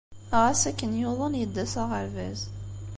Ɣas akken yuḍen, yedda s aɣerbaz.